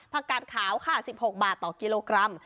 กาดขาวค่ะ๑๖บาทต่อกิโลกรัม